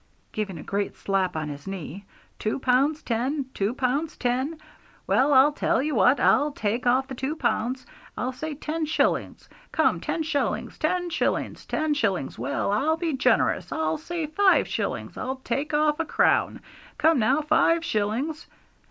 giving a great slap on his knee. 'Two pounds ten; two pounds ten! Well, I'll tell you what, I'll take off the two pounds I'll say ten shillings! Come, ten shillings! Ten shillings! Ten shillings! Well, I'll be generous, I'll say five shillings; I'll take off a crown. Come now, five shillings!'